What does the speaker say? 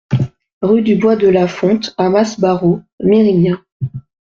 Rue du Bois de la Font à Masbaraud-Mérignat